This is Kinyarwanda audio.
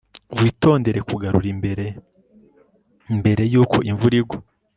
Witondere kugarura imbere mbere yuko imvura igwa